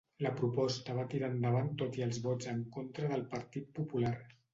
La proposta va tirar endavant tot i els vots en contra del Partit Popular.